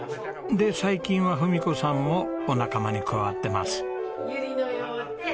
で最近は文子さんもお仲間に加わってます。